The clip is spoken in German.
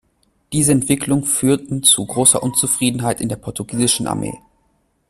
Diese Entwicklungen führten zu großer Unzufriedenheit in der portugiesischen Armee.